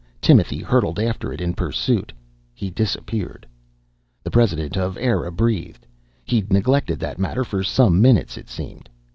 Timothy hurtled after it in pursuit. He disappeared. The president of Eire breathed. He'd neglected that matter for some minutes, it seemed.